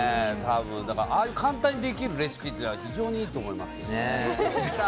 ああいう簡単にできるレシピは非常にいいと思いますね。